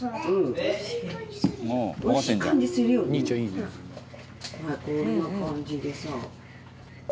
こんな感じでさ。